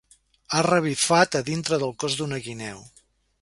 Ha revifat a dintre del cos d"una guineu.